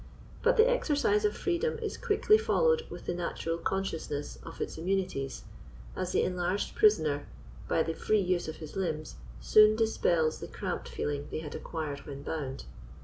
But the exercise of freedom is quickly followed with the natural consciousness of its immunities, as the enlarged prisoner, by the free use of his limbs, soon dispels the cramped feeling they had acquired when bound.